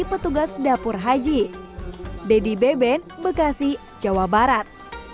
petugas dapur haji dedy beben bekasi jawa barat